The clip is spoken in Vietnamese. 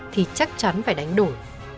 thì chắc chắn phải đánh đổi